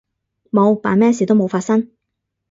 冇，扮咩事都冇發生